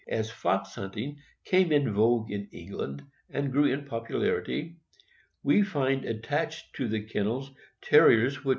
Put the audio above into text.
As fox hunting came in vogue in England, and grew in popularity, we find attached to the kennels Terriers which CHAMPION LUCIFER (A.